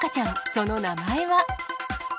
その名前は？